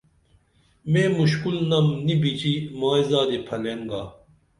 مے مُشکُل نم نی بِچِی مائی زادی پھلئین گا